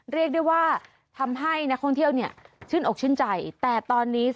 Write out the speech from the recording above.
เรียกได้ว่าทำให้นักท่องเที่ยวเนี่ยชื่นอกชื่นใจแต่ตอนนี้